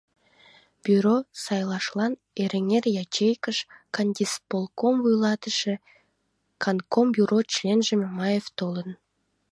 Бюро сайлашлан Эреҥер ячейкыш кантисполком вуйлатыше, кантком бюрон членже Мамаев толын.